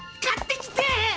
買ってきて！